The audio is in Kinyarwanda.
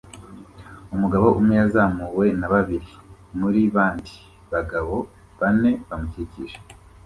Umugabo umwe yazamuwe na babiri muri bandi bagabo bane bamukikije